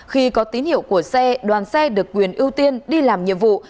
khi có tín hiệu của xe đoàn xe được quyền ưu tiên đi làm nhiệm vụ